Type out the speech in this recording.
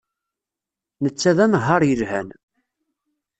Netta d anehhaṛ yelhan.